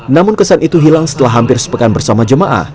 namun kesan itu hilang setelah hampir sepekan bersama jemaah